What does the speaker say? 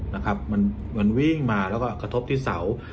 มันวิ่งมาแล้วก็กระทบที่เสา